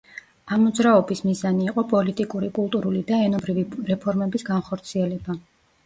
ამ მოძრაობის მიზანი იყო პოლიტიკური, კულტურული და ენობრივი რეფორმების განხორციელება.